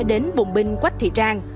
đến bùng binh quách thị trang